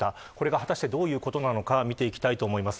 果たして、どういうことなのか見ていきたいと思います。